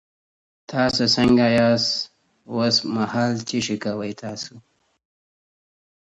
سپایان باید په خپلو منځونو کي جګړه ونه کړي.